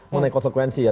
mengenai konsekuensi ya